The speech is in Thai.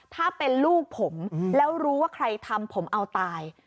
ถ้าเป็นลูกผมแล้วรู้ว่าใครทำผมเอาตาย